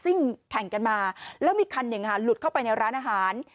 ่งแข่งกันมาแล้วมีคันหนึ่งหลุดเข้าไปในร้านอาหาร